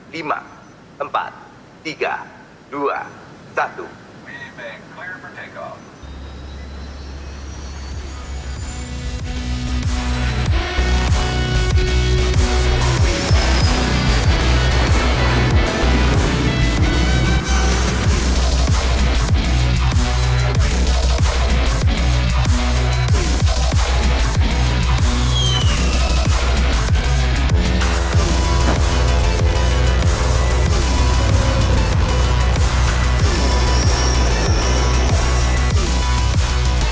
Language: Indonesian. kita sudah selesai untuk lepas landas